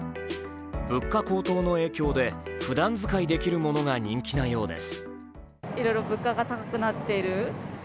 物価高騰の影響でふだん使いできるものが人気のようです。